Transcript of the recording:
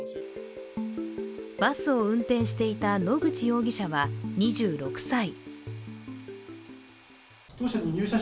バスを運転していた野口容疑者は２６歳。